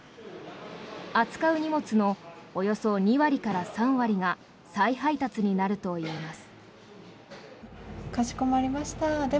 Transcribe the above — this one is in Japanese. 扱う荷物のおよそ２割から３割が再配達になるといいます。